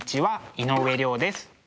井上涼です。